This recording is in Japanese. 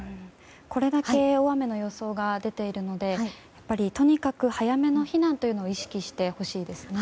これだけ大雨の予想が出ているのでとにかく早めの避難を意識してほしいですね。